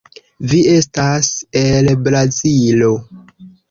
Vi estas el Brazilo.